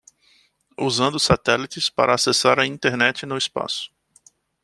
Usando satélites para acessar a Internet no espaço